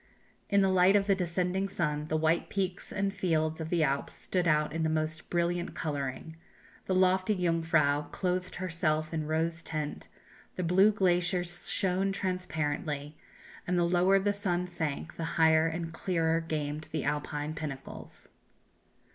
In the light of the descending sun the white peaks and fields of the Alps stood out in the most brilliant colouring; the lofty Jungfrau clothed herself in rose tint, the blue glaciers shone transparently, and the lower the sun sank the higher and clearer gleamed the Alpine pinnacles....